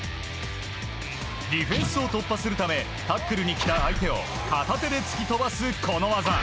ディフェンスを突破するためタックルに来た相手を片手で突き飛ばすこの技。